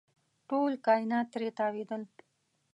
ټول کاینات ترې تاوېدل.